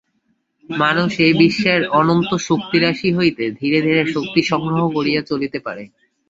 মানুষ এই বিশ্বের অনন্ত শক্তিরাশি হইতে ধীরে ধীরে শক্তি সংগ্রহ করিয়া চলিতে পারে।